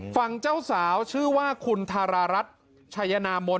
ฝั่งเจ้าสาวชื่อว่าคุณธารารัฐชัยนามน